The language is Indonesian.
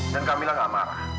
dan kamila gak marah